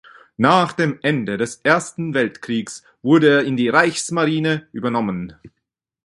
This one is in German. Nach dem Ende des Ersten Weltkriegs wurde er in die Reichsmarine übernommen.